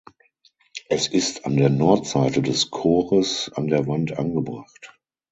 Es ist an der Nordseite des Chores an der Wand angebracht.